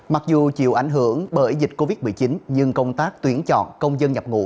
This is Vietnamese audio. mặc dù chịu ảnh hưởng bởi dịch covid một mươi chín nhưng công tác tuyển chọn công dân nhập ngũ